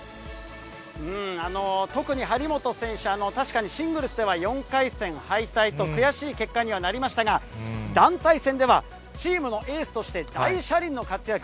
特に張本選手、確かにシングルスでは、４回戦敗退と悔しい結果にはなりましたが、団体戦では、チームのエースとして大車輪の活躍。